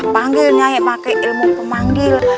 panggil nya pakai ilmu pemanggil